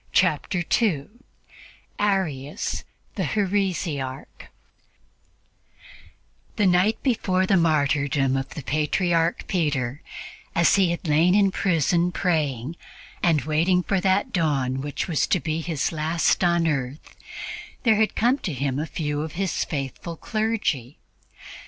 Chapter 2 ARIUS THE HERESIARCH THE night before the martyrdom of the Patriarch Peter, as he had lain in prison praying and waiting for that dawn which was to be his last on earth, there had come to him a few of his faithful clergy.